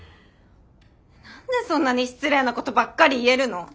何でそんなに失礼なことばっかり言えるの？